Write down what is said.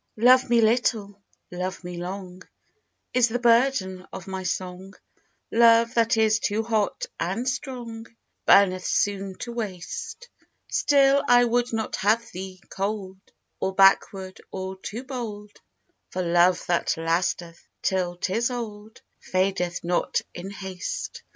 Love me little, love me long, Is the burden of my song; Love that is too hot and strong Burneth soon to waste; Still I would not have thee cold, Or backward, or too bold, For love that lasteth till 'tis old Fadeth not in haste.